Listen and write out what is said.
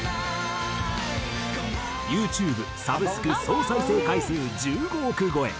ＹｏｕＴｕｂｅサブスク総再生回数１５億超え。